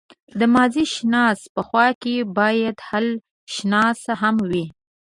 د ماضيشناس په خوا کې بايد حالشناس هم وي.